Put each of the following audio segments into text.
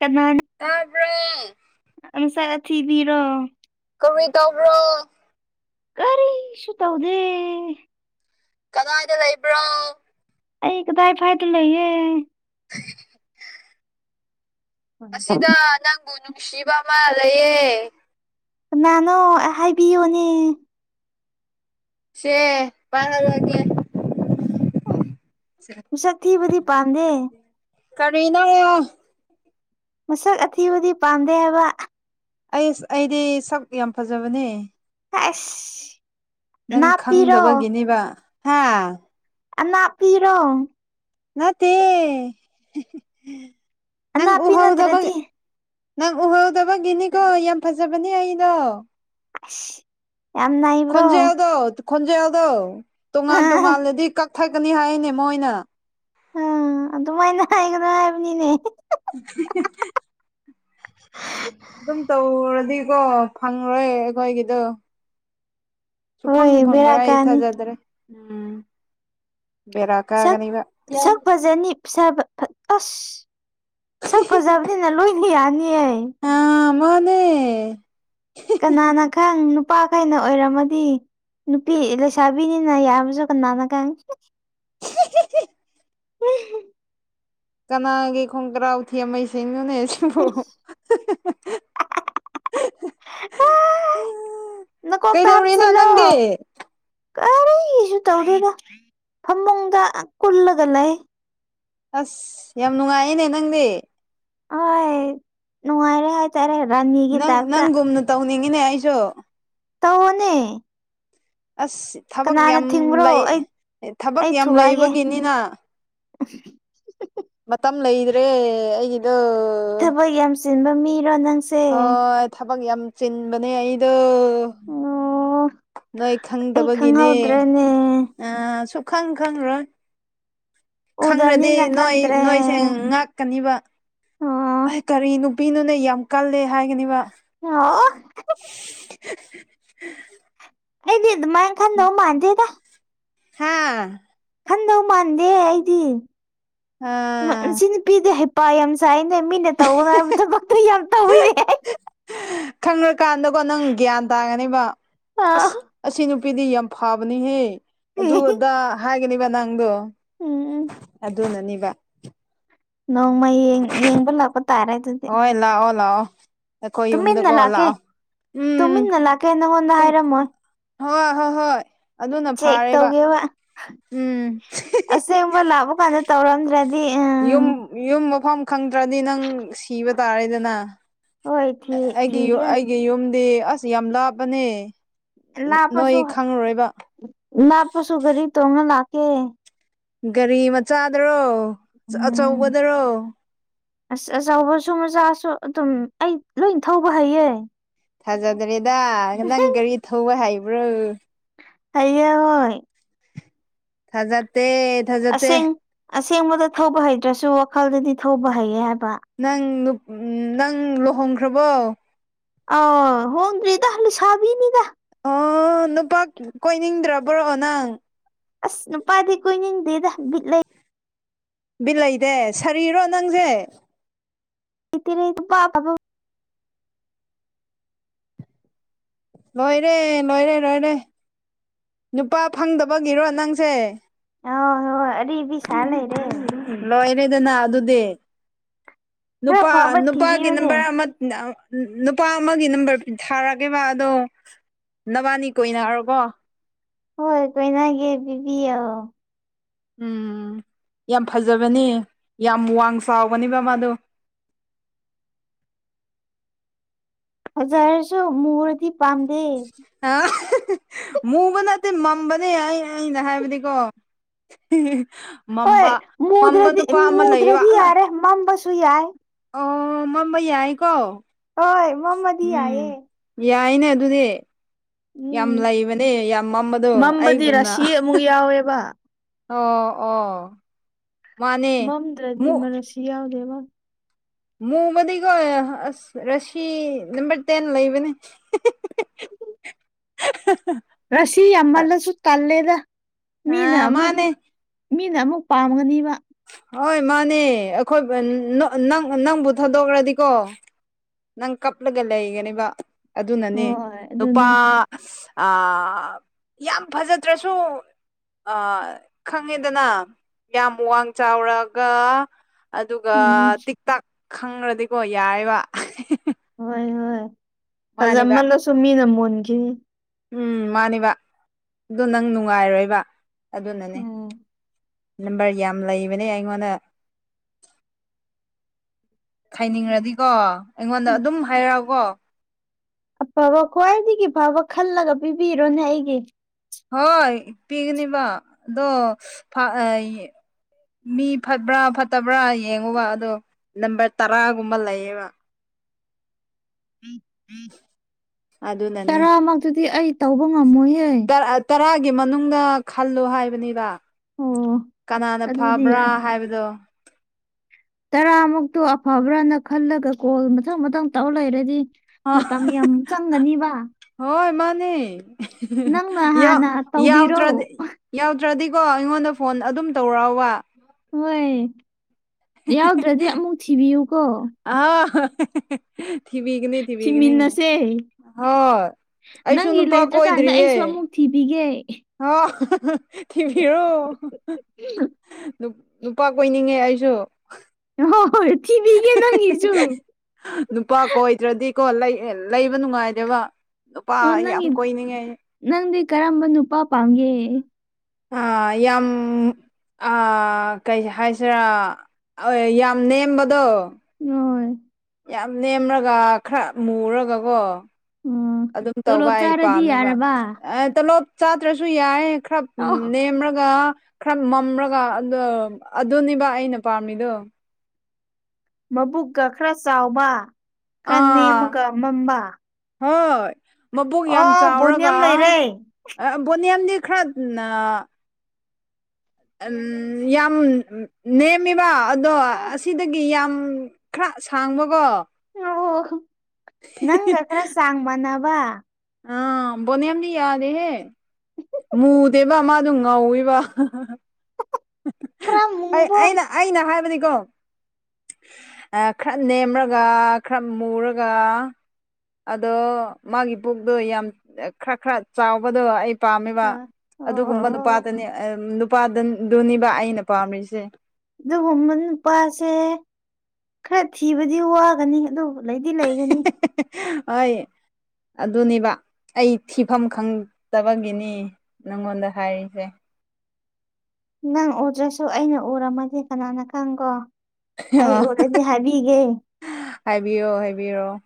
ꯀꯅꯥꯅ ꯇꯥꯕ꯭ꯔꯣ ꯑꯟꯁꯛ ꯑꯊꯤꯕꯤꯔꯣ ꯀꯔꯤ ꯇꯧꯕ꯭ꯔꯣ ꯀꯥꯔꯤꯁꯨꯨ ꯇꯧꯗꯦ ꯀꯗꯥꯏꯗ ꯂꯩꯕ꯭ꯔꯣ ꯑꯩ ꯀꯗꯥꯏ ꯐꯥꯏꯗ ꯂꯩꯌꯦ [unintelligible] ꯑꯁꯤꯗꯥ ꯅꯪꯕꯨ ꯅꯨꯡꯁꯤꯕ ꯑꯃꯥ ꯂꯩꯌꯦ ꯀꯅꯥꯅꯣ ꯑꯥ ꯍꯥꯏꯕꯤꯌꯣꯅꯦ ꯁꯦ ꯄꯥꯍꯜꯂꯒꯦ ꯎꯝ ꯃꯁꯛ ꯊꯤꯕꯗꯤ ꯄꯥꯝꯗꯦ ꯀꯔꯤꯅꯣ ꯃꯁꯛ ꯑꯊꯤꯕꯗꯤ ꯄꯥꯝꯗꯦ ꯍꯥꯏꯕ ꯑꯩꯁ ꯑꯩꯗꯤ ꯁꯛ ꯌꯥꯝ ꯐꯖꯕꯅꯦ ꯍꯥꯏꯁ ꯅꯪ ꯈꯪꯗꯕꯒꯤꯅꯤꯕ ꯍꯥ ꯑꯅꯥꯞꯄꯤꯔꯣ ꯅꯠꯇꯦ ꯅꯪ ꯑꯅꯥꯞꯄꯤ ꯎꯍꯧꯗꯕꯛ ꯅꯠꯇ꯭ꯔꯗꯤ ꯅꯪ ꯎꯍꯧꯗꯕꯒꯤꯅꯤꯀꯣ ꯌꯥꯝ ꯐꯖꯕꯅꯦ ꯑꯩꯗꯣ ꯑꯁ ꯌꯥꯝ ꯅꯩꯕ꯭ꯔꯣ ꯈꯣꯟꯖꯦꯜꯗꯣ ꯈꯣꯟꯖꯦꯜꯗꯣ ꯇꯣꯉꯥꯟ ꯇꯣꯉꯥꯟꯂꯗꯤ ꯀꯛꯊꯠꯀꯅꯤ ꯍꯥꯏꯌꯦꯅꯦ ꯃꯣꯏꯅ ꯑꯥ ꯑꯗꯨꯃꯥꯏꯅ ꯍꯥꯏꯒꯅꯣ ꯍꯥꯏꯕꯅꯤꯅꯦ [unintelligible] [inaudible] ꯑꯗꯨꯝ ꯇꯧꯔꯗꯤꯀꯣ ꯐꯪꯔꯣꯏ ꯑꯩꯈꯣꯏꯒꯤꯗꯣ ꯁꯨꯐꯪ ꯍꯣꯏ ꯕꯦꯔꯥ ꯐꯪꯔꯣꯏ ꯑꯩ ꯀꯥꯅꯤ ꯊꯥꯖꯗ꯭ꯔꯦ ꯎꯝ ꯕꯦꯔꯥ ꯀꯥꯒꯅꯤꯕ ꯥ ꯐꯁꯥꯕ ꯐꯠ ꯑꯁ ꯁꯛ ꯐꯖꯕꯅꯤꯅ ꯂꯣꯏꯅ ꯌꯥꯅꯤꯌꯦ ꯑꯥ ꯃꯥꯅꯦ ꯀꯅꯥꯅ ꯈꯪ ꯅꯨꯞ ꯅꯨꯄꯥꯈꯩꯅ ꯑꯣꯏꯔꯝꯃꯗꯤ ꯅꯨꯄꯤ ꯂꯩꯁꯥꯕꯤꯅꯤꯅ ꯌꯥꯕꯁꯨ ꯀꯅꯥꯅ ꯈꯪ [unintelligible] [unintelligible] ꯀꯅꯥꯒꯤ ꯈꯣꯡꯒ꯭ꯔꯥꯎ ꯊꯦꯝꯃꯩ ꯏꯁꯤꯡꯅꯣꯅꯦ ꯕꯨ [unintelligible] ꯑꯥ ꯅꯀꯣꯛꯇ ꯀꯩꯗꯧꯔꯤꯅꯣ ꯍꯥꯞꯆꯤꯜꯂꯣ ꯅꯪꯗꯤ ꯀꯔꯤꯁꯨ ꯇꯧꯗꯦꯗ ꯐꯃꯨꯡꯗ ꯑꯥ ꯀꯨꯜꯂꯒ ꯂꯩ ꯑꯁ ꯌꯥꯝ ꯅꯨꯡꯉꯥꯏꯌꯦꯅꯦ ꯅꯪꯗꯤ ꯑꯣꯏꯠ ꯅꯨꯉꯥꯏꯔꯦ ꯍꯥꯏ ꯇꯔꯦ ꯔꯥꯅꯤ ꯅꯪ ꯅꯪꯒꯨꯝꯅ ꯇꯧꯅꯤꯡꯉꯤꯅꯦ ꯑꯩꯁꯨ ꯇꯧꯑꯣꯅꯦ ꯑꯁ ꯊꯕꯛ ꯀꯅꯥꯅ ꯌꯥꯝ ꯊꯤꯡꯕ꯭ꯔꯣ ꯂꯩ ꯑꯩ ꯊꯕꯛ ꯑꯩ ꯌꯥꯝ ꯊꯨꯒꯥꯏꯒꯦ ꯂꯩꯕꯒꯤꯅꯤꯅ [unintelligible] ꯃꯇꯝ ꯂꯩꯗꯔꯦ ꯑꯩꯒꯤꯗꯣ ꯊꯕꯛ ꯌꯥꯝ ꯆꯤꯟꯕ ꯃꯤꯔꯣ ꯅꯪꯁꯦ ꯍꯣꯏ ꯊꯕꯛ ꯌꯥꯝ ꯆꯤꯟꯕꯅꯦ ꯑꯩꯗꯣ ꯗꯣ ꯑꯣ ꯅꯣꯏ ꯑꯩ ꯈꯪꯗꯕꯒꯤꯅꯦ ꯈꯪꯍꯧꯗ꯭ꯔꯦꯅꯦ ꯑꯥ ꯁꯨꯈꯪ ꯈꯪꯔꯣꯏ ꯈꯪꯔꯗꯤ ꯎꯗꯕꯅꯤꯅ ꯅꯣꯏ ꯈꯪꯗ꯭ꯔꯦ ꯅꯣꯏꯁꯦ ꯉꯛ ꯀꯥꯅꯤꯕ ꯑꯣ ꯀꯔꯤ ꯅꯨꯄꯤꯅꯣꯅꯦ ꯌꯥꯝ ꯀꯜꯂꯦ ꯍꯥꯏꯒꯅꯤꯕ ꯑꯣ ꯑꯩꯗꯤ ꯑꯗꯨꯃꯥꯏꯟ ꯈꯟꯗꯧ ꯃꯥꯟꯗꯦꯗ ꯍꯥꯥ ꯈꯟꯗꯧ ꯃꯥꯟꯗꯦ ꯑꯩꯗꯤ ꯃ ꯃꯁꯤ ꯅꯨ ꯄꯤꯗꯦ ꯍꯩꯄꯥ ꯌꯥꯝ ꯁꯥꯏꯌꯦꯅꯦ ꯃꯤꯅ ꯇꯧꯒꯅꯣ ꯍꯥꯏꯕ ꯊꯕꯛꯇꯨ ꯌꯥꯝ ꯇꯧꯋꯤꯅꯦ ꯈꯪꯔꯀꯥꯟꯗꯀꯣ ꯅꯪ ꯒ꯭ꯌꯥꯟ ꯇꯥꯒꯅꯤꯕ ꯑꯥ ꯑꯁ ꯑꯁꯤ ꯅꯨꯄꯤꯗꯤ ꯌꯥꯝ ꯐꯕꯅꯤꯍꯦ ꯑꯗꯨ ꯑꯗꯥ ꯍꯥꯏꯒꯅꯦꯕ ꯅꯪꯗꯣ ꯎꯝ ꯑꯗꯨꯅꯅꯤꯕ ꯅꯣꯡꯃꯩ ꯌꯦꯡ ꯌꯦꯡꯕ ꯂꯥꯛꯄ ꯇꯥꯔꯦ ꯑꯗꯨꯗꯤ ꯍꯣꯏ ꯂꯥꯛꯑꯣ ꯂꯥꯛꯑꯣ ꯑꯩꯈꯣꯏ ꯌꯨꯝꯗ ꯇꯨꯃꯤꯟꯅ ꯀꯣ ꯂꯥꯛꯀꯦ ꯂꯥꯛꯑꯣ ꯎꯝ ꯇꯨꯃꯤꯟꯅ ꯂꯥꯛꯀꯦ ꯅꯪꯉꯣꯟꯗ ꯇꯨꯝ ꯍꯥꯏꯔꯝꯃꯣꯏ ꯍꯣꯏ ꯍꯣꯏ ꯍꯣꯏ ꯑꯗꯨꯅ ꯆꯦꯛ ꯐꯥꯔꯦꯕ ꯇꯧꯒꯦꯕ ꯎꯝ ꯑꯁꯦꯡꯕ ꯂꯥꯛꯄ ꯀꯥꯟꯗꯥ ꯇꯧꯔꯝꯗ꯭ꯔꯥꯗꯤ ꯑꯥ ꯌꯨꯝ ꯌꯨꯝ ꯃꯐꯝ ꯈꯪꯗ꯭ꯔꯥꯗꯤ ꯅꯪ ꯁꯤꯕ ꯇꯥꯔꯦꯗꯅ ꯍꯣꯏ ꯊꯤ ꯑꯩꯒꯤ ꯌꯨ ꯊꯤꯒꯦ ꯑꯩꯒꯤ ꯌꯨꯝꯗꯤ ꯑꯁ ꯌꯥꯝ ꯂꯥꯞꯄꯅꯦ ꯑꯂꯥꯞꯄꯁꯨ ꯅꯣꯏ ꯈꯪꯉꯔꯣꯏꯕ ꯂꯥꯞꯄꯁꯨ ꯒꯥꯔꯤ ꯇꯣꯡꯉꯥ ꯂꯥꯛꯀꯦ ꯒꯥꯔꯤ ꯃꯆꯥꯗ꯭ꯔꯣ ꯎꯝ ꯑꯆꯧꯕꯗ꯭ꯔꯣ ꯑꯁ ꯑꯆꯧꯕꯁꯨ ꯃꯆꯥꯁꯨ ꯑꯗꯨꯝ ꯑꯩ ꯂꯣꯏꯟ ꯊꯧꯕ ꯍꯩꯌꯦ ꯊꯥꯖꯗ꯭ꯔꯦꯗ ꯅꯪ ꯒꯥꯔꯤ ꯊꯧꯕ ꯍꯧꯕ꯭ꯔꯣ ꯍꯩꯌꯦ ꯍꯣꯏ ꯊꯥꯖꯇꯦꯠ ꯑꯁꯦꯡ ꯑꯁꯦꯡꯕꯗ ꯊꯧꯕ ꯍꯩꯇ꯭ꯔꯥꯁꯨ ꯋꯥꯈꯜꯗꯗꯤ ꯊꯧꯕ ꯍꯩꯌꯦ ꯍꯥꯏꯕ ꯅꯪ ꯅꯨꯞ ꯅꯪ ꯂꯨꯍꯣꯡꯈ꯭ꯔꯥꯕꯣ ꯑꯥꯎ ꯍꯣꯡꯗ꯭ꯔꯤꯗ ꯂꯩꯁꯥꯕꯤꯅꯤꯗ ꯑꯣ ꯅꯨꯄꯥ ꯀꯣꯏꯅꯤꯡꯗ꯭ꯔꯥꯕ꯭ꯔꯣ ꯅꯪ ꯑꯁ ꯅꯨꯄꯥꯗꯤ ꯀꯨꯏꯅꯤꯡꯗꯦꯗ ꯕꯤꯠ ꯂꯩ ꯕꯤꯠ ꯂꯩꯩꯗꯦ ꯁꯥꯔꯤꯔꯣ ꯅꯪꯖꯦ ꯂꯩꯇꯦ ꯂꯩ ꯅꯨꯄꯥ ꯑꯐꯕꯥ ꯑꯥꯝ ꯂꯣꯏꯔꯦ ꯂꯣꯏꯔꯦ ꯂꯣꯏꯔꯦ ꯅꯨꯄꯥ ꯐꯪꯗꯕꯒꯤꯔꯣ ꯅꯪꯁꯦ ꯑꯥꯎ ꯍꯣꯏ ꯑꯔꯤꯕꯤ ꯁꯥꯔ ꯂꯩꯔꯦ ꯂꯣꯏꯔꯦꯗꯅ ꯑꯗꯨꯗꯤ ꯈꯔ ꯅꯨꯄꯥ ꯐꯕ ꯅꯨꯄꯥꯒꯤ ꯊꯤꯕꯤꯌꯨꯅꯦ ꯅꯝꯕꯔ ꯑꯃꯠ ꯑ ꯅꯨ ꯅꯨꯄꯥ ꯑꯃꯥꯒꯤ ꯅꯝꯕꯔ ꯊꯥꯔꯛꯀꯦꯕ ꯑꯗꯣ ꯅꯕꯥꯅꯤ ꯀꯣꯏꯅꯔꯣꯀꯣ ꯍꯣꯏ ꯀꯣꯏꯅꯒꯦ ꯄꯤꯕꯤꯌꯣ ꯎꯝ ꯌꯥꯝ ꯐꯖꯥꯕꯅꯦ ꯌꯥꯝ ꯋꯥꯡ ꯆꯥꯎꯕꯅꯦꯕ ꯃꯥꯗꯣ ꯐꯖꯥꯔꯁꯨ ꯃꯨꯔꯗꯤ ꯄꯥꯝꯗꯦ ꯑꯥ ꯃꯨꯕ ꯅꯠꯇꯦ ꯃꯝꯕꯅꯦ ꯑꯩ ꯑꯩꯅ ꯍꯥꯏꯕꯗꯤꯀꯣ ꯍꯣꯏ ꯃꯝꯕ ꯃꯝꯕ ꯃꯨꯗ꯭ꯔꯗꯤ ꯅꯨꯄꯥ ꯑꯃꯥ ꯂꯩꯌꯦꯕ ꯃꯨꯗ꯭ꯔꯗꯤ ꯌꯥꯔꯦ ꯃꯝꯕꯁꯨ ꯌꯥꯏ ꯑꯣ ꯃꯝꯕ ꯌꯥꯏꯌꯦꯀꯣ ꯍꯣꯏ ꯃꯝꯃꯗꯤ ꯌꯥꯏꯌꯦ ꯌꯥꯏꯅꯦ ꯑꯗꯨꯗꯤ ꯌꯥꯝ ꯎꯝ ꯂꯩꯕꯅꯦ ꯌꯥꯝ ꯃꯝꯕꯗꯣ ꯃꯝꯕꯗꯤ ꯑꯩꯒꯨꯝꯅ ꯔꯥꯁꯤ ꯑꯃꯨꯛ ꯌꯥꯎꯋꯦꯕ ꯑꯣ ꯑꯣ ꯃꯥꯅꯦ ꯃꯝꯗ꯭ꯔꯗꯤ ꯃꯨꯛ ꯔꯥꯁꯤ ꯌꯥꯎꯗꯦꯕ ꯃꯨꯕꯗꯤꯀꯣ ꯑꯁ ꯔꯁꯤ ꯅꯝꯕꯔ ꯇꯦꯟ ꯂꯩꯕꯅꯦ [inaudible] ꯔꯥꯁꯤ ꯌꯥꯝꯃꯜꯂꯁꯨ ꯇꯜꯂꯦꯗ ꯃꯤꯅ ꯑꯥ ꯑꯃꯨꯛ ꯃꯥꯅꯦ ꯃꯤꯅ ꯑꯃꯨꯛ ꯄꯥꯝꯒꯅꯤꯕ ꯍꯣꯏ ꯃꯥꯅꯦ ꯑꯩꯈꯣꯏ ꯅꯪ ꯅꯪ ꯅꯪꯕꯨ ꯊꯥꯗꯣꯛꯈ꯭ꯔꯥꯗꯤꯀꯣ ꯅꯪ ꯀꯞꯂꯒ ꯂꯩꯒꯅꯦꯕ ꯑꯗꯨꯅꯅꯦ ꯍꯣꯏ ꯅꯨꯄꯥ ꯑꯗꯨꯅꯤ ꯑ ꯌꯥꯝ ꯐꯖꯗ꯭ꯔꯁꯨ, ꯑ ꯈꯪꯉꯦꯗꯅ ꯌꯥꯝ ꯋꯥꯡ ꯆꯥꯎꯔꯒ, ꯑꯗꯨꯒ ꯎꯝ ꯇꯤꯛ ꯇꯥꯛ ꯈꯪꯔꯗꯤ ꯀꯣ ꯌꯥꯔꯦꯕ꯫ ꯍꯣꯏ ꯍꯣꯏ ꯃꯥꯅꯦꯕ ꯐꯖꯃꯜꯂꯁꯨ ꯃꯤꯅ ꯃꯨꯟꯈꯤꯅꯤ꯫ ꯎꯝ ꯃꯥꯟꯅꯦꯕ ꯑꯗꯨ ꯅꯪ ꯅꯨꯡꯉꯥꯏꯔꯣꯏꯕ ꯑꯗꯨꯅꯅꯦ꯫ ꯎꯝ ꯅꯝꯕꯔ ꯌꯥꯝ ꯂꯩꯕꯅꯦ ꯑꯩꯉꯣꯟꯗ꯫ ꯈꯥꯏꯅꯤꯡꯔꯗꯤꯀꯣ ꯑꯩꯉꯣꯟꯗ ꯑꯗꯨꯝ ꯍꯥꯏꯔꯛꯑꯣꯀꯣ꯫ ꯑꯐꯕ ꯈ꯭ꯋꯥꯏꯗꯒꯤ ꯐꯕ ꯈꯜꯂꯒ ꯄꯤꯕꯤꯔꯣꯅꯦ ꯑꯩꯒꯤ꯫ ꯍꯣꯏ ꯄꯤꯒꯅꯦꯕ ꯑꯗꯣ ꯐ ꯑꯩ ꯃꯤ ꯐꯠꯕ꯭ꯔꯥ ꯐꯠꯇꯕ꯭ꯔꯥ ꯌꯦꯡꯉꯣꯕ ꯑꯗꯣ ꯅꯝꯕꯔ ꯇꯔꯥꯒꯨꯝꯕ ꯂꯩꯌꯦꯕ꯫ ꯑꯗꯨꯅꯅꯦ ꯇꯔꯥꯃꯛꯇꯨꯗꯤ ꯑꯩ ꯇꯧꯕ ꯉꯝꯃꯣꯏꯍꯦ꯫ ꯇꯔꯥꯒꯤ ꯃꯅꯨꯡꯗ ꯈꯜꯂꯣ ꯍꯥꯏꯕꯅꯦꯗ꯫ ꯑꯣ ꯀꯅꯥꯅ ꯑꯗꯨꯗꯤ ꯐꯕ꯭ꯔꯥ ꯌꯥꯏ ꯍꯥꯏꯕꯗꯣ꯫ ꯇꯔꯥꯃꯨꯛꯇꯣ ꯑꯐꯕ꯭ꯔꯥꯅ ꯈꯜꯂꯒ ꯀꯣꯜ ꯃꯊꯪ ꯃꯊꯪ ꯇꯧ ꯂꯩꯔꯗꯤ꯫ ꯃꯇꯝ ꯌꯥꯝ ꯆꯪꯒꯅꯤꯕ꯫ ꯍꯣꯏ ꯃꯥꯟꯅꯦ ꯅꯪꯅ ꯌꯥꯎ ꯍꯥꯟꯅ ꯌꯥꯎꯇ꯭ꯔꯥꯗꯤ ꯇꯧꯕꯤꯔꯣ ꯌꯥꯎꯇ꯭ꯔꯗꯤꯀꯣ ꯑꯩꯉꯣꯟꯗ ꯐꯣꯟ ꯑꯗꯨꯝ ꯇꯧꯔꯛꯑꯣꯕ꯫ ꯍꯣꯏ ꯌꯥꯎꯗ꯭ꯔꯗꯤ ꯑꯃꯨꯛ ꯊꯤꯕꯤꯌꯨꯀꯣ꯫ ꯑ ꯍ [unintelligible] ꯊꯤꯕꯤꯒꯅꯤ꯫ ꯊꯤꯕꯤꯒꯤꯅꯤ ꯊꯤꯃꯤꯟꯅꯁꯦ ꯍꯣꯏ ꯑꯩꯁꯨ ꯅꯪꯒꯤ ꯅꯨꯄꯥ ꯂꯩꯇ꯭ꯔꯀꯥꯟꯗ ꯀꯣꯏꯗ꯭ꯔꯤꯌꯦ꯫ ꯑꯩꯁꯨ ꯑꯃꯨꯛ ꯊꯤꯕꯤꯒꯦ꯫ ꯍꯣꯏ [unintelligible] ꯊꯤꯕꯤꯔꯣ ꯅꯨ ꯅꯨꯄꯥ ꯀꯣꯏꯅꯤꯡꯉꯦ ꯑꯩꯁꯨ꯫ ꯍꯣꯢ ꯍꯣꯏ ꯊꯤꯕꯤꯒꯦ ꯅꯪꯒꯤꯁꯨ꯫ ꯀꯣ ꯂꯩ ꯂꯩꯕ ꯅꯨꯡꯉꯥꯏꯗꯦꯕ ꯅꯨꯨꯄꯥ ꯑꯣ ꯌꯥꯝ ꯅꯪꯒꯤ ꯀꯣꯏꯅꯤꯡꯉꯦ꯫ ꯅꯪꯗꯤ ꯀꯔꯝꯕ ꯅꯨꯄꯥ ꯄꯥꯝꯒꯦ? ꯑꯥ ꯌꯥꯝ, ꯑꯥ ꯀꯩ ꯍꯥꯏꯁꯤꯔꯥ ꯌꯥꯝ ꯅꯦꯝꯕꯗꯣ꯫ ꯌꯣꯢ꯫ ꯌꯥꯝ ꯅꯦꯝꯔꯒ ꯈꯔ ꯃꯨꯔꯒꯀꯣ꯫ ꯑꯣ ꯑꯗꯨꯝ ꯇꯧꯕ ꯇꯣꯂꯣꯞ ꯑꯩ ꯆꯥꯔꯗꯤ ꯄꯥꯝꯃꯦꯕ ꯌꯥꯔꯕ ꯑ ꯇꯣꯂꯣꯞ ꯆꯥꯇ꯭ꯔꯁꯨ ꯌꯥꯏꯑꯦ꯫ ꯈꯔ ꯎꯝ ꯑꯣ ꯅꯦꯝꯔꯒ, ꯈꯔ ꯃꯝꯔꯒ ꯑꯗ ꯑꯗꯨꯅꯦꯕ ꯑꯩꯅ ꯄꯥꯝꯃꯤꯗꯣ꯫ ꯃꯕꯨꯛꯀ ꯈꯔ ꯆꯥꯎꯕ, ꯈꯔ ꯑꯥ ꯅꯦꯝꯃꯒ ꯃꯝꯕ꯫ ꯍꯣꯏ ꯃꯕꯨꯛ ꯌꯥꯝ ꯑꯣ ꯆꯥꯎꯔꯒ, ꯕꯣꯅꯤꯌꯝ ꯂꯩꯔꯦ ꯑ ꯕꯣꯅꯤꯌꯝꯗꯤ ꯈꯔ ꯅ ꯑꯟ ꯌꯥꯝ ꯅꯦꯝꯃꯦꯕ ꯑꯗꯣ ꯑꯁꯤꯗꯒꯤ ꯌꯥꯝ, ꯈꯔ ꯁꯥꯡꯕꯒꯣ꯫ ꯑꯣ ꯅꯪꯒ ꯈꯔ ꯆꯥꯡ ꯃꯥꯟꯅꯕ꯫ ꯑꯥ ꯕꯣꯅꯤꯌꯝꯗꯤ ꯌꯥꯗꯦꯍꯦ꯫ ꯃꯨꯗꯦꯕ ꯃꯥꯗꯣ ꯉꯧꯋꯦꯕ꯫ ꯈꯔ ꯑꯩ ꯃꯨꯕ ꯑꯩꯅ ꯑꯩꯅ ꯍꯥꯏꯕꯗꯤꯀꯣ꯫ ꯈꯔ ꯅꯦꯝꯔꯒ, ꯈꯔ ꯃꯨꯔꯒ꯫ ꯑꯗꯣ ꯃꯥꯒꯤ ꯄꯨꯛꯇꯣ ꯌꯥꯝ ꯈꯔ ꯈꯔ ꯆꯥꯎꯕꯗꯣ ꯑꯩ ꯄꯥꯝꯃꯦꯕ꯫ ꯑ ꯑꯗꯨꯒꯨꯝꯕ ꯑꯣ ꯅꯨꯄꯥꯗꯅꯤ ꯅꯨꯄꯥꯗꯗꯨꯅꯤꯕ ꯑꯩꯅ ꯄꯥꯝꯔꯤꯁꯦ꯫ ꯑꯗꯨꯒꯨꯝꯕ ꯅꯨꯄꯥꯁꯦ ꯈꯔ ꯊꯤꯕꯗꯤ ꯋꯥꯒꯅꯤ ꯑꯗꯨꯕꯨ ꯂꯩꯗꯤ ꯂꯩꯒꯅꯤ ꯍꯣꯏ ꯑꯗꯨꯅꯦꯕ ꯑꯩ ꯊꯤꯐꯝ ꯈꯪꯗꯕꯒꯤꯅꯤ ꯅꯪꯉꯣꯟꯗ ꯍꯥꯏꯔꯤꯁꯦ ꯅꯪ ꯎꯗ꯭ꯔꯁꯨ ꯑꯩꯅ ꯎꯔꯝꯃꯗꯤ ꯀꯅꯥꯅ ꯈꯪꯀꯣ ꯑꯩ ꯎꯔꯗꯤ ꯍꯥꯏꯕꯤꯒꯦ ꯍꯥꯏꯕꯤꯑꯣ ꯍꯥꯏꯕꯤꯔꯣ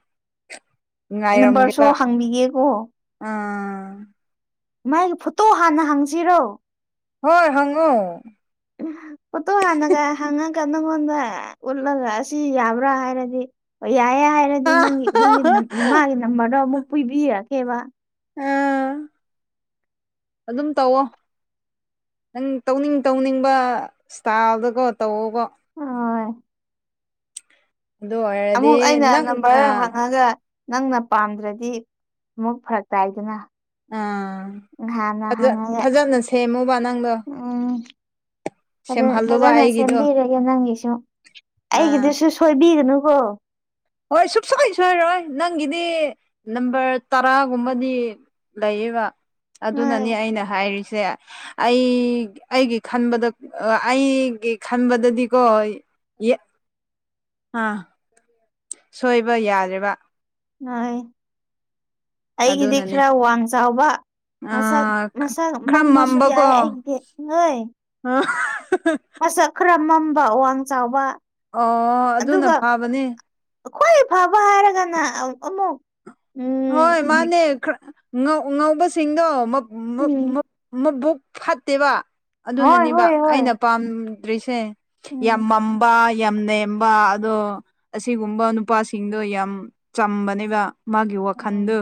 ꯅꯝꯕꯔꯁꯨ ꯉꯥꯏꯔꯝꯒꯦꯕ ꯍꯪꯕꯤꯒꯦꯀꯣ ꯑꯥ ꯃꯥꯒꯤ ꯐꯣꯇꯣ ꯍꯥꯟꯅ ꯍꯪꯁꯤꯔꯣ ꯍꯣꯏ ꯍꯪꯉꯣ ꯐꯣꯇꯣ ꯍꯥꯟꯅꯒ ꯍꯪꯉꯒ ꯅꯪꯉꯣꯟꯗ ꯎꯠꯂꯒ ꯑꯁꯤ ꯌꯥꯕ꯭ꯔꯥ ꯍꯥꯏꯔꯗꯤ ꯌꯥꯏꯌꯦ ꯍꯥꯏꯔꯗꯤ ꯅꯪꯒꯤ ꯅꯪꯒꯤ ꯃꯥꯒꯤ ꯅꯝꯕꯔꯗꯣ ꯑꯃꯨꯛ ꯄꯤꯕꯤꯔꯛꯀꯦꯕ ꯑꯥ ꯑꯗꯨꯝ ꯇꯧꯋꯣ ꯎꯝ ꯇꯧꯅꯤꯡ ꯇꯧꯅꯤꯡꯕ ꯁ꯭ꯇꯥꯏꯜꯗꯀꯣ ꯇꯧꯑꯣꯕ ꯍꯣꯏ ꯑꯗꯨ ꯑꯣꯏ ꯑꯃꯨꯛ ꯑꯩꯅ ꯅꯝꯕꯔꯗꯣ ꯍꯪꯉꯒ ꯅꯪꯅ ꯄꯥꯝꯗ꯭ꯔꯗꯤ ꯑꯃꯨꯛ ꯐꯔꯛ ꯇꯥꯏꯗꯅ ꯑꯥ ꯍꯥꯟꯅ ꯑꯗꯣ ꯍꯪꯉꯒ ꯐꯖꯅ ꯁꯦꯝꯃꯨꯕ ꯅꯪꯗꯣ ꯎꯝ ꯐꯖ ꯁꯦꯝꯍꯜꯂꯨꯕ ꯐꯖꯅ ꯑꯩꯒꯤꯗꯣ ꯁꯦꯝꯕꯤꯔꯒꯦ ꯅꯪꯒꯤꯁꯨ ꯑꯥ ꯑꯩꯒꯤꯗꯨꯁꯨ ꯁꯣꯏꯕꯤꯒꯅꯨꯀꯣ ꯍꯣꯏ ꯁꯨꯛꯁꯣꯏ ꯁꯣꯏꯔꯣꯏ ꯅꯪꯒꯤꯗꯤ ꯅꯝꯕꯔ ꯇꯔꯥꯒꯨꯝꯕꯗꯤ ꯂꯩꯌꯦꯕ ꯅꯣꯏ ꯑꯗꯨꯅꯅꯤ ꯑꯩꯅ ꯍꯥꯏꯔꯤꯁꯦ ꯑꯩ ꯑꯩꯒꯤ ꯈꯟꯕꯗ ꯑꯩꯒꯤ ꯈꯟꯕꯗꯗꯤꯀꯣ ꯑꯥ ꯁꯣꯏꯕ ꯌꯥꯗ꯭ꯔꯦꯕ ꯍꯣꯏ ꯑꯩꯒꯤꯗꯤ ꯑꯗꯨꯅꯅꯦ ꯈꯔ ꯋꯥꯡ ꯆꯥꯎꯕ ꯑ ꯃꯁꯛ ꯃꯁꯛ ꯈꯔ ꯃꯝꯃꯥꯁꯨ ꯌꯥꯏ ꯑꯩꯒꯤꯗꯤ ꯑꯣꯏ ꯑꯥ ꯍꯥ ꯍꯥ ꯑꯁꯛ ꯈꯔ ꯃꯝꯕ ꯋꯥꯡ ꯆꯥꯎꯕ ꯑꯣ ꯑꯗꯨꯅ ꯑꯗꯨꯒ ꯐꯕꯅꯦ ꯈ꯭ꯋꯥꯏ ꯐꯕ ꯍꯥꯏꯔꯒꯅ ꯑꯃꯨꯛ ꯎꯝ ꯍꯣꯏ ꯕꯤ- ꯃꯥꯅꯦ ꯈꯔ ꯉꯧ ꯉꯧꯕꯁꯤꯡꯗꯣ ꯃꯥ ꯎꯝ ꯃꯥ ꯃꯕꯨꯛ ꯐꯠꯇꯦꯕ ꯍꯣꯏ ꯑꯗꯨꯅꯅꯦꯕ ꯍꯣꯏ ꯍꯣꯏ ꯑꯩꯅ ꯄꯥꯝꯗ꯭ꯔꯤꯁꯦ ꯌꯥꯝ ꯎꯝ ꯃꯝꯕ ꯌꯥꯝ ꯅꯦꯝꯕ ꯑꯗꯣ ꯑꯁꯤꯒꯨꯝꯕ ꯅꯨꯄꯥꯁꯤꯡꯗꯣ ꯌꯥꯝ ꯆꯝꯕꯅꯦꯕ ꯃꯥꯒꯤ ꯋꯥꯈꯟꯗꯣ ꯎꯝ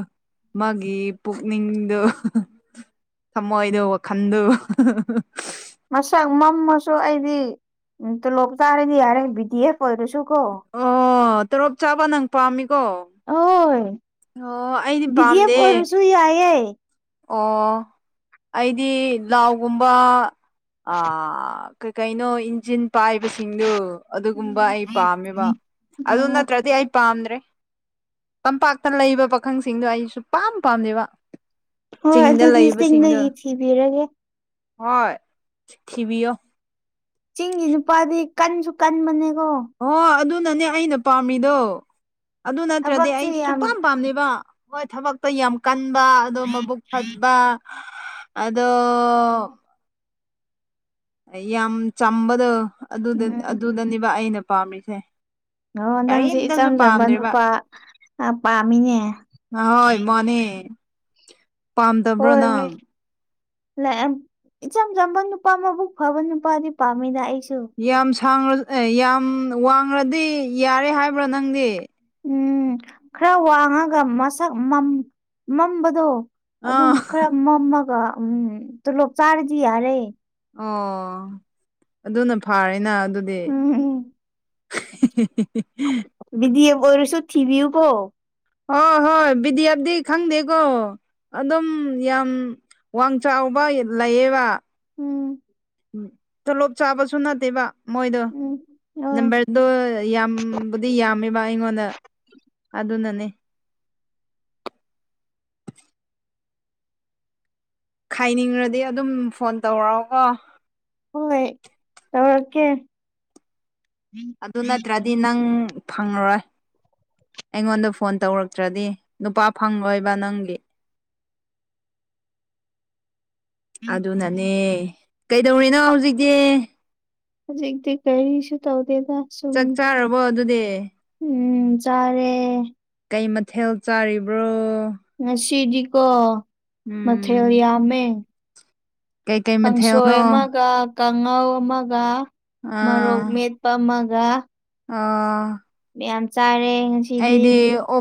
ꯃꯥꯒꯤ ꯄꯨꯛꯅꯤꯡꯗꯣ ꯊꯃꯣꯏꯗꯣ ꯋꯥꯈꯟꯗꯨ ꯃꯁꯛ ꯃꯝꯃꯁꯨ ꯑꯩꯗꯤ ꯇꯣꯂꯣꯞ ꯆꯥꯔꯗꯤ ꯌꯥꯔꯦ ꯕꯤ ꯗꯤ ꯑꯦꯐ ꯑꯣꯏꯔꯁꯨ ꯀꯣ ꯑꯣ ꯇꯣꯂꯣꯞ ꯆꯥꯕ ꯅꯪ ꯄꯥꯝꯃꯤꯀꯣ ꯑꯣꯏ ꯑꯣ ꯑꯩꯗꯤ ꯕꯤ ꯗꯤ ꯑꯦꯞ ꯄꯥꯝꯗꯦ ꯑꯣꯏꯔꯁꯨ ꯌꯥꯏꯌꯦ ꯑꯣ ꯑꯩꯗꯤ ꯂꯥꯎꯒꯨꯝꯕ ꯀꯩꯀꯩꯅꯣ ꯏꯟꯖꯤꯟ ꯄꯥꯏꯕꯁꯤꯡꯗꯨ ꯑꯗꯨꯒꯨꯝꯕ ꯎꯝ ꯑꯩ ꯄꯥꯝꯃꯦꯕ ꯑꯗꯨ ꯑꯣ ꯅꯠꯇ꯭ꯔꯗꯤ ꯑꯩ ꯄꯥꯝꯗ꯭ꯔꯦ ꯇꯝꯄꯥꯛꯇ ꯂꯩꯕ ꯄꯥꯈꯪꯁꯤꯡꯗꯣ ꯑꯩ ꯁꯨꯛꯄꯥꯝ ꯄꯥꯝꯗꯦꯕ ꯍꯣꯏ ꯆꯤꯡꯗ ꯑꯗꯨꯗꯤ ꯂꯩꯕꯁꯤꯡꯗꯣ ꯆꯤꯡꯗꯒꯤ ꯊꯤꯕꯤꯔꯒꯦ ꯍꯣꯏ ꯊꯤꯕꯤ ꯌꯣ ꯆꯤꯡꯒꯤ ꯅꯨꯄꯥꯗꯤ ꯀꯟꯁꯨ ꯀꯟꯕꯅꯦꯀꯣ ꯍꯣ ꯑꯗꯨꯅꯅꯦ ꯑꯩꯅ ꯄꯥꯝꯃꯤꯗꯣ ꯑꯗꯨ ꯅꯠꯇ꯭ꯔꯗꯤ ꯊꯕꯛꯁꯨ ꯑꯩ ꯌꯥꯝ ꯁꯨꯄꯥꯝ ꯄꯥꯝꯗꯦꯕ ꯍꯣꯏ ꯊꯕꯛꯇꯣ ꯌꯥꯝ ꯀꯟꯕ ꯑꯗꯣ ꯃꯕꯨꯛ ꯐꯠꯕ ꯑꯗꯣ ꯑꯌꯥꯝ ꯆꯝꯕꯗꯣ ꯑꯗꯨꯗ ꯎꯝ ꯑꯗꯨꯗꯅꯦꯕ ꯑꯩꯅ ꯄꯥꯝꯔꯤꯁꯦ ꯑꯣ ꯅꯪꯁꯦ ꯏꯆꯝ ꯆꯝꯕ ꯅꯨꯄꯥ ꯑꯥ ꯄꯥꯝꯃꯤꯅꯦ ꯑꯍꯣꯏ ꯃꯥꯅꯦ ꯄꯥꯝꯗꯕ꯭ꯔꯣ ꯍꯣꯏꯃꯤ ꯅꯪ ꯂꯦꯑꯝ ꯏꯆꯝ ꯆꯝꯕ ꯅꯨꯄꯥ ꯃꯕꯨꯛ ꯐꯕ ꯅꯨꯄꯥꯗꯤ ꯄꯥꯝꯃꯤꯗ ꯑꯩꯁꯨ ꯌꯥꯝ ꯁꯥꯡꯔ ꯑꯦ ꯌꯥꯝ ꯋꯥꯡꯂꯗꯤ ꯌꯥꯔꯦ ꯍꯥꯏꯕ꯭ꯔꯥ ꯅꯪꯗꯤ ꯎꯝ ꯈꯔ ꯋꯥꯡꯉꯒ ꯃꯁꯛ ꯃꯝ ꯃꯝꯕꯗꯣ ꯑꯗꯨꯝ ꯑꯥ ꯈꯔ ꯃꯝꯃꯒ ꯎꯝ ꯇꯨꯂꯣꯞ ꯆꯥꯔꯗꯤ ꯌꯥꯔꯦ ꯑꯣ ꯑꯗꯨꯅ ꯐꯥꯔꯦꯅ ꯑꯗꯨ ꯎꯝ ꯎꯝ [unintelligible] ꯕꯤ ꯗꯤ ꯑꯦꯞ ꯑꯣꯏꯔꯁꯨ ꯊꯤꯕꯤꯌꯨꯀꯣ ꯍꯣ ꯍꯣꯏ ꯕꯤ ꯗꯤ ꯑꯦꯞꯗꯤ ꯈꯪꯗꯦꯀꯣ ꯑꯗꯨꯝ ꯌꯥꯝ ꯋꯥꯡ ꯆꯥꯎꯕ ꯂꯩꯌꯦꯕ ꯎꯝ ꯇꯣꯂꯣꯞ ꯆꯥꯕꯁꯨ ꯅꯠꯇꯦꯕ ꯃꯣꯏꯗꯣ ꯎꯝ ꯍꯣꯏ ꯅꯝꯕꯔ ꯗꯣ ꯌꯥꯝ ꯕꯨꯗꯤ ꯌꯥꯝꯃꯦꯕ ꯑꯩꯉꯣꯟꯗ ꯑꯗꯨꯅꯅꯦ ꯈꯥꯏꯅꯤꯡꯔꯗꯤ ꯑꯗꯨꯝ ꯐꯣꯟ ꯇꯧꯔꯛꯑꯣꯀꯣ ꯍꯣꯏ ꯇꯧꯔꯛꯀꯦ ꯑꯗꯨ ꯅꯠꯇ꯭ꯔꯗꯤ ꯅꯪ ꯐꯪꯉꯔꯣꯏ ꯑꯩꯉꯣꯟꯗ ꯐꯣꯟ ꯇꯧꯔꯛꯇ꯭ꯔꯗꯤ ꯅꯨꯄꯥ ꯐꯪꯂꯣꯏꯕ ꯅꯪꯒꯤ ꯑꯗꯨꯅꯅꯦ ꯀꯩꯗꯧꯔꯤꯅꯣ ꯍꯧꯖꯤꯛꯇꯤ ꯍꯧꯖꯤꯛꯇꯤ ꯀꯔꯤꯁꯨ ꯇꯧꯗꯦꯗ ꯁꯨꯝ ꯆꯛ ꯆꯥꯔꯕꯣ ꯑꯗꯨꯗꯤ ꯎꯝ ꯆꯥꯔꯦ ꯀꯩ ꯃꯊꯦꯜ ꯆꯥꯔꯤꯕ꯭ꯔꯣ ꯉꯁꯤꯗꯤꯀꯣ ꯎꯝ ꯃꯊꯦꯜ ꯌꯥꯝꯃꯦ ꯀꯩꯀꯩ ꯀꯪꯁꯣꯏ ꯃꯊꯦꯜꯅꯣ ꯑꯃꯥꯒ ꯀꯥꯡꯉꯧ ꯑꯃꯥꯒ ꯃꯔꯣꯛ ꯃꯦꯠꯄ ꯑꯃꯥꯒ ꯑꯣ ꯃꯌꯥꯝ ꯆꯥꯔꯦ ꯉꯁꯤ ꯑꯩꯗꯤ ꯑꯣ